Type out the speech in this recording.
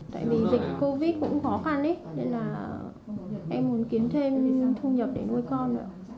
tại vì dịch covid cũng khó khăn nên là em muốn kiếm thêm thu nhập để nuôi con ạ